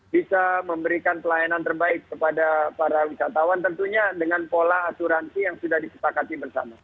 bisa memberikan pelayanan terbaik kepada para wisatawan tentunya dengan pola asuransi yang sudah disepakati bersama